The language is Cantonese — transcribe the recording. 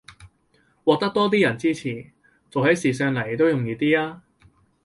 獲得多啲人支持，做起事上來都容易啲吖